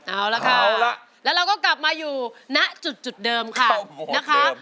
เอาละค่ะแล้วเราก็กลับมาอยู่ณจุดเดิมค่ะ